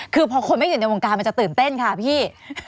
คือพอคนไม่อยู่ในวงการมันจะตื่นเต้นค่ะพี่